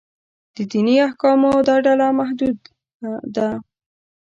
د دیني احکامو دا ډله محدود ده.